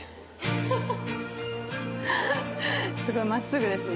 すごい真っすぐですね。